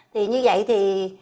thì như vậy thì